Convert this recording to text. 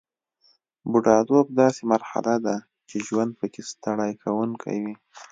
بوډاتوب داسې مرحله ده چې ژوند پکې ستړي کوونکی وي